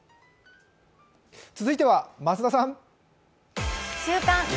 続いては松田さん。